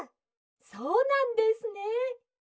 「そうなんですね」。